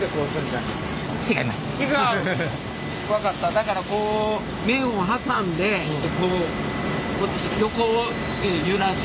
だからこう麺を挟んで横に揺らす。